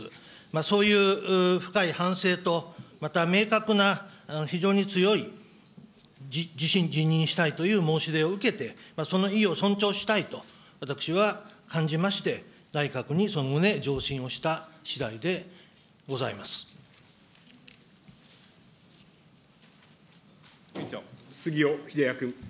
そういう深い反省と、また明確な、非常に強い、辞任したいという申し出を受けて、その意を尊重したいと私は感じまして、内閣にその旨、杉尾秀哉君。